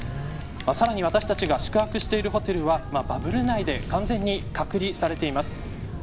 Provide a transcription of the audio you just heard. さらに、私たちが宿泊しているホテルはバブル内で完全に隔離されています。